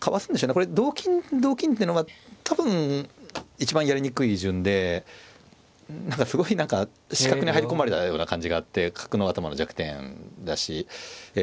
これ同金同金ってのは多分一番やりにくい順で何かすごい何か死角に入り込まれたような感じがあって角の頭の弱点だしええ